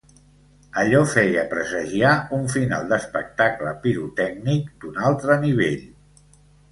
Allò feia presagiar un final d’espectacle pirotècnic d’un altre nivell.